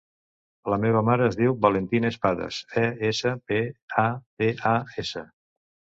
La meva mare es diu Valentina Espadas: e, essa, pe, a, de, a, essa.